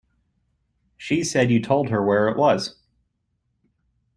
She said you told her where it was.